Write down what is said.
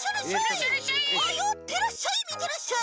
よってらっしゃいみてらっしゃい！